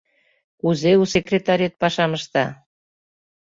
Кузе у секретарет пашам ышта?